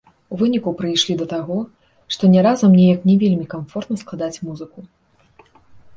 У выніку прыйшлі да таго, што не разам неяк не вельмі камфортна складаць музыку.